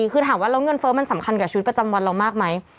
คือถามว่าแล้วเงินเฟ้อมันสำคัญกับชีวิตประจำวันเรามากไหม